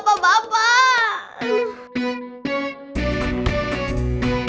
sebeneranapun punya exhibit